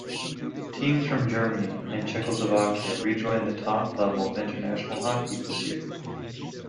Teams from Germany and Czechoslovakia rejoined the top level of international hockey this year.